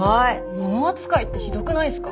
モノ扱いってひどくないすか？